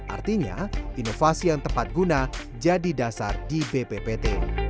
artinya inovasi yang tepat guna jadi dasar di bppt